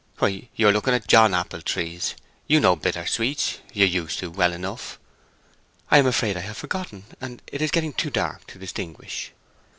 "Why, you are looking at John apple trees! You know bitter sweets—you used to well enough!" "I am afraid I have forgotten, and it is getting too dark to distinguish."